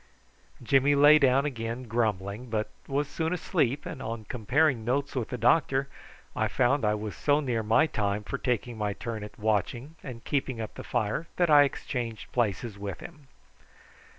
Jimmy lay down again grumbling, but was soon asleep, and on comparing notes with the doctor I found I was so near my time for taking my turn at watching and keeping up the fire that I exchanged places with him.